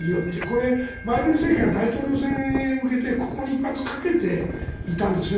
これはバイデン政権が大統領選に向けてここに一発かけていたんですね。